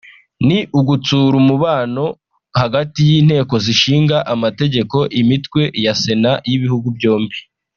ni ugutsura umubano hagati n’Inteko zishinga Amategeko imitwe ya Sena y’ibihugu byombi